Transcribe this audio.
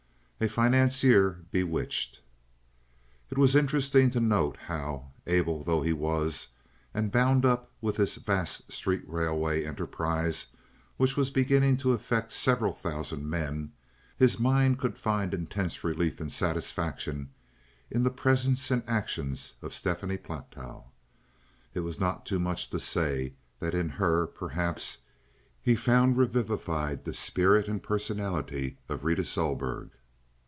A Financier Bewitched It was interesting to note how, able though he was, and bound up with this vast street railway enterprise which was beginning to affect several thousand men, his mind could find intense relief and satisfaction in the presence and actions of Stephanie Platow. It is not too much to say that in her, perhaps, he found revivified the spirit and personality of Rita Sohlberg.